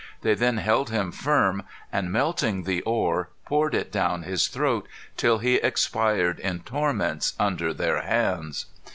They then held him firm, and melting the ore, poured it down his throat, till he expired in torments under their hands.